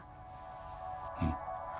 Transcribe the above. うん。